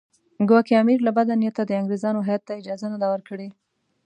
ګواکې امیر له بده نیته د انګریزانو هیات ته اجازه نه ده ورکړې.